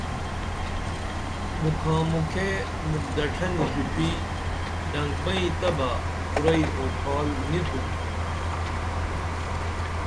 مُکھا مُکھے مُکھ دڇھنی ژوپی ڈنگ بئیں تہ بہ کُرئی اوپھال نی تُھن